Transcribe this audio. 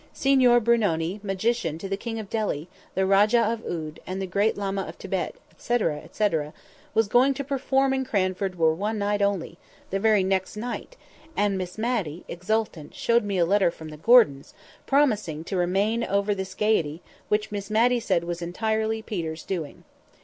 "Signor Brunoni, Magician to the King of Delhi, the Rajah of Oude, and the great Lama of Thibet," &c. &c., was going to "perform in Cranford for one night only," the very next night; and Miss Matty, exultant, showed me a letter from the Gordons, promising to remain over this gaiety, which Miss Matty said was entirely Peter's doing.